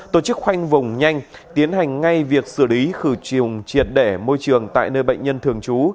tổ chức khoanh vùng nhanh tiến hành ngay việc xử lý khử trùng triệt đẻ môi trường tại nơi bệnh nhân thường trú